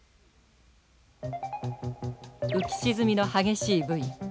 浮き沈みの激しいブイ。